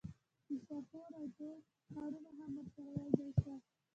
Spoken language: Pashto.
نیشاپور او طوس ښارونه هم ورسره یوځای شول.